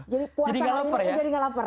jadi puasa lagi jadi gak lapar